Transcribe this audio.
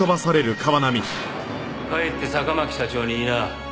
帰って坂巻社長に言いな。